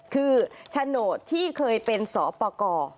คือโฉนดที่เคยเป็นสอปกร